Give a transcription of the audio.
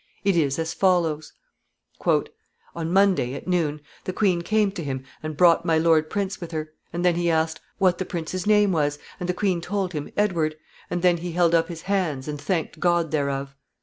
It is as follows: "On Monday, at noon, the queen came to him and brought my lord prince with her, and then he asked 'what the prince's name was,' and the queen told him 'Edward,' and then he held up his hands, and thanked God thereof.